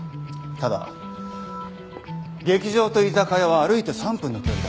ただ劇場と居酒屋は歩いて３分の距離だ。